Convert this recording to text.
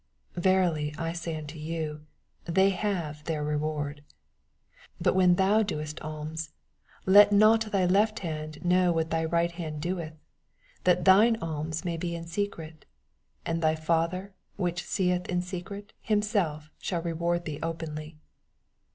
Verily I say unto you, They have their reward. 8 But when thou doest alms, let not thy left hand know what thy right hand doeth : 4 That thme alms may be in secret : and thy Father which seeth in secret himself shall reward thee openly.